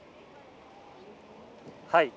はい。